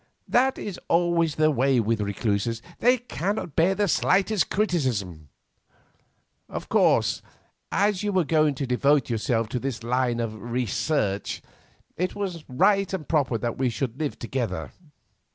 "That is always the way with recluses; they cannot bear the slightest criticism. Of course, as you were going to devote yourself to this line of research it was right and proper that we should live together.